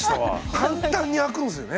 簡単に開くんすよね